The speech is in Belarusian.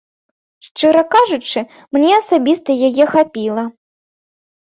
Шчыра кажучы, мне асабіста яе хапіла.